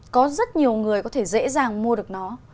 có rất nhiều người có thể dễ dàng mua được nó